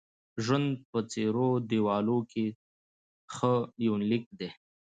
ژوند په څيرو دېوالو کې: هغه یونلیک دی